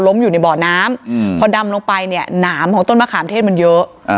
อยู่ในบ่อน้ำพอดำลงไปเนี่ยหนามของต้นมะขามเทศมันเยอะ